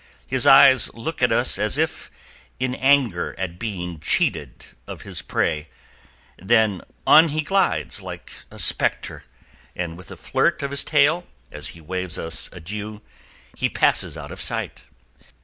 His eyes look at us as if in anger at being cheated of his prey, then on he glides like a specter, and with a flirt of his tail as he waves us adieu, he passes out of sight.